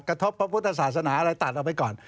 พระพุทธศาสนาอะไรตัดออกไปก่อน